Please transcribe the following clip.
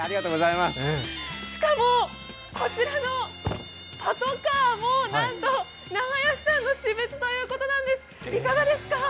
しかもこちらのパトカーも、なんと永芳さんの私物ということなんです、いかがですか？